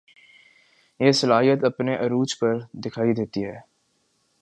یہ صلاحیت اپنے عروج پر دکھائی دیتی ہے